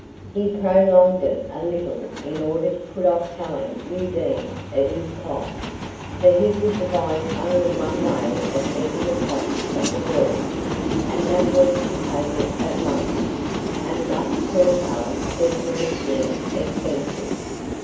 He prolonged it a little in order to put off telling Undine of his plight; for he could devise only one way of meeting the cost of the voyage, and that was to take it at once, and thus curtail their Parisian expenses.